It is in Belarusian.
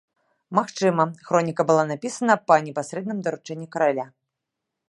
Магчыма, хроніка была напісана па непасрэдным даручэнні караля.